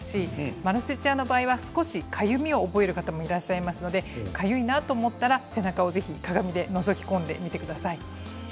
マラセチアの場合は少しかゆみを覚える方もいらっしゃいますのでかゆいなと思ったら背中を鏡でのぞき込んでください。